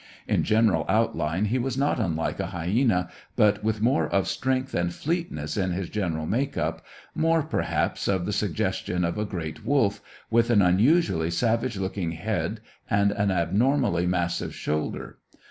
In general outline he was not unlike a hyæna, but with more of strength and fleetness in his general make up, more, perhaps, of the suggestion of a great wolf, with an unusually savage looking head, and an abnormally massive shoulder.